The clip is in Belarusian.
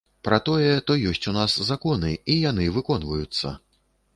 Пра тое, то ёсць у нас законы і яны выконваюцца.